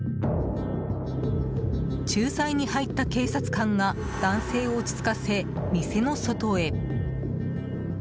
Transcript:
仲裁に入った警察官が男性を落ち着かせ、店の外へ。